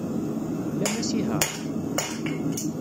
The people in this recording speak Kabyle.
Tlam asihaṛ?